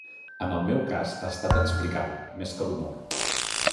En el meu cas ha estat explicar-ho, més que l’humor.